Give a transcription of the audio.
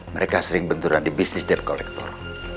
mereka sering benturan di bisnis debt collector